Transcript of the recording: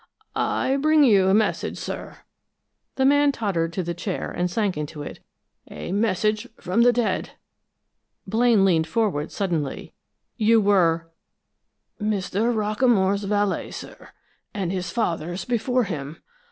"I bring you a message, sir." The man tottered to the chair and sank into it. "A message from the dead." Blaine leaned forward suddenly. "You were " "Mr. Rockamore's valet, sir, and his father's before him.